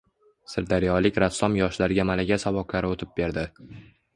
Sirdaryolik rassom yoshlarga malaka saboqlari o‘tib berdi